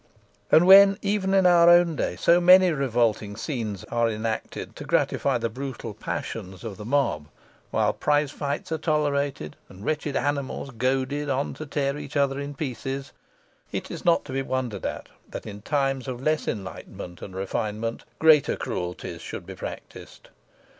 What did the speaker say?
And when even in our own day so many revolting scenes are enacted to gratify the brutal passions of the mob, while prize fights are tolerated, and wretched animals goaded on to tear each other in pieces, it is not to be wondered at that, in times of less enlightenment and refinement, greater cruelties should be practised.